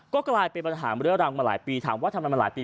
ก็กลายเป็นปัญหาบริษัทรรมมาหลายปีถามวัฒนามาหลายปี